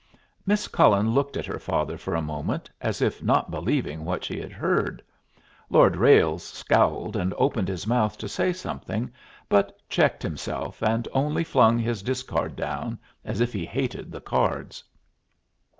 Miss Cullen looked at her father for a moment as if not believing what she had heard. Lord Ralles scowled and opened his mouth to say something, but checked himself, and only flung his discard down as if he hated the cards.